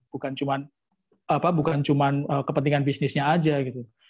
bukan cuma kepentingan bisnisnya aja gitu